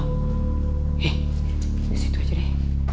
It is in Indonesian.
hei disitu aja deh